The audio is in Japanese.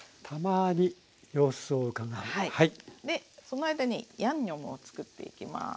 その間にヤンニョムを作っていきます。